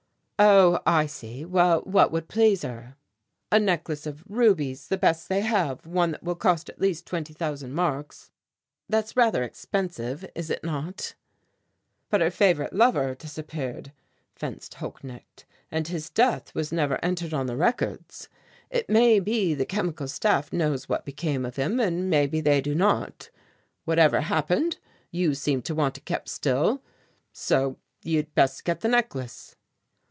"Oh, I see. Well, what would please her?" "A necklace of rubies, the best they have, one that will cost at least twenty thousand marks." "That's rather expensive, is it not?" "But her favourite lover disappeared," fenced Holknecht, "and his death was never entered on the records. It may be the Chemical Staff knows what became of him and maybe they do not; whatever happened, you seem to want it kept still, so you had best get the necklace."